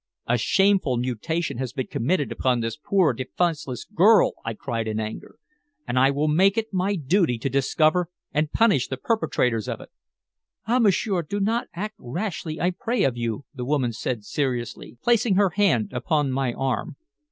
"A shameful mutilation has been committed upon this poor defenseless girl!" I cried in anger. "And I will make it my duty to discover and punish the perpetrators of it." "Ah, m'sieur. Do not act rashly, I pray of you," the woman said seriously, placing her hand upon my arm.